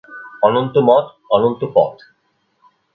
অনন্ত মত, অনন্ত পথ।